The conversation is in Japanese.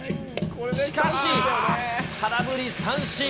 しかし、空振り三振。